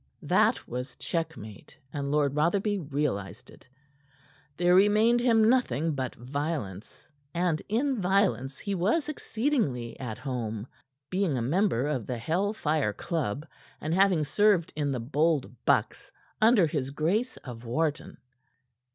That was checkmate, and Lord Rotherby realized it. There remained him nothing but violence, and in violence he was exceedingly at home being a member of the Hell Fire Club and having served in the Bold Bucks under his Grace of Wharton.